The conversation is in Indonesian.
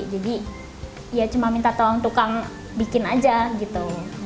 jadi ya cuma minta tolong tukang bikin aja gitu